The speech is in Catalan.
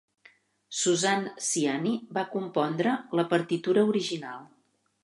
Suzanne Ciani va compondre la partitura original.